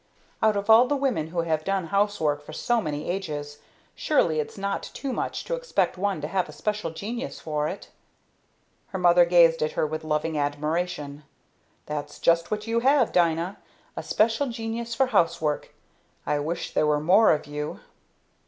Out of all the women who have done housework for so many ages, surely it's not too much to expect one to have a special genius for it!" Her mother gazed at her with loving admiration. "That's just what you have, Dina a special genius for housework. I wish there were more of you!"